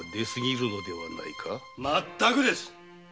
まったくです。